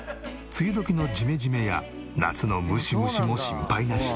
梅雨時のジメジメや夏のムシムシも心配なし。